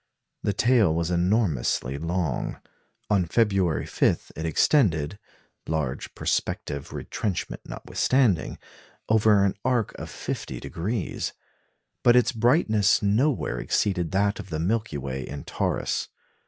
The tail was enormously long. On February 5 it extended large perspective retrenchment notwithstanding over an arc of 50°; but its brightness nowhere exceeded that of the Milky Way in Taurus.